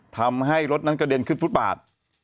ทำให้รถนั้นกระเด็นขึ้นฟุตบาท